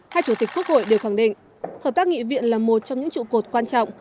hai chủ tịch quốc hội đều khẳng định hợp tác nghị viện là một trong những trụ cột quan trọng